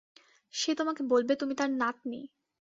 সে তোমাকে বলবে, তুমি তার নাতনি।